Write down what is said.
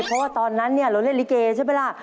เพราะว่าตอนนั้นเราเล่นลิเกใช่ไหมล่ะ